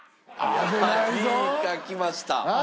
やりいかきました。